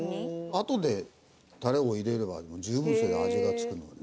あとでタレを入れれば十分それで味が付くんだよ。